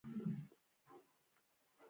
زه د ځوانانو ناز پر مځکه نه شم اچولای.